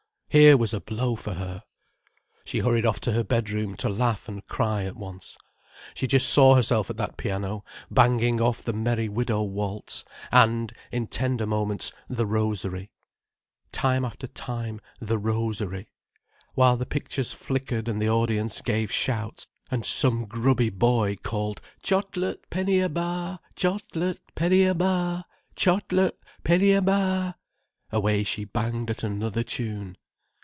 Here was a blow for her! She hurried off to her bedroom to laugh and cry at once. She just saw herself at that piano, banging off the Merry Widow Waltz, and, in tender moments, The Rosary. Time after time, The Rosary. While the pictures flickered and the audience gave shouts and some grubby boy called "Chot let, penny a bar! Chot let, penny a bar! Chot let, penny a bar!" away she banged at another tune.